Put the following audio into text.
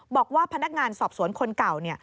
บอกว่าพนักงานสอบสวนคนเก่า